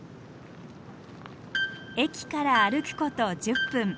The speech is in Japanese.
駅から歩くこと１０分。